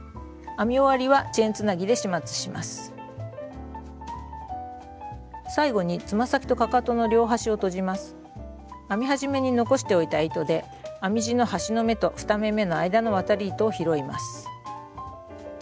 編み始めに残しておいた糸で編み地の端の目と２目めの間の渡り糸を拾います。